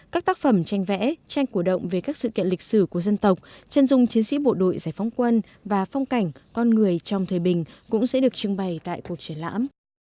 các tác phẩm tranh vẽ tranh cổ động về các sự kiện lịch sử của dân tộc chân dung chiến sĩ bộ đội giải phóng quân và phong cảnh con người trong thời bình cũng sẽ được trưng bày tại cuộc triển lãm